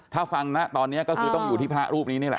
ถ้าฟังนะตอนนี้ก็คือต้องอยู่ที่พระรูปนี้นี่แหละ